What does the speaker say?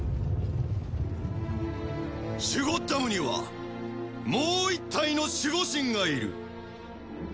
シュゴッダムにはもう一体の守護神がいる。